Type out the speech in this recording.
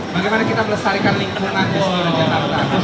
bagaimana kita melestarikan lingkungan di sebuah jantan